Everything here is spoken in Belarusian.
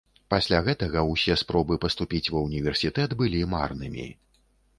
Пасля гэтага ўсе спробы паступіць ва ўніверсітэт былі марнымі.